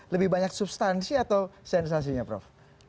lebih banyak substansi atau sensasinya prof